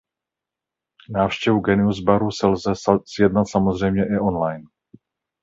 Návštěvu Genius baru si lze sjednat samozřejmě i online.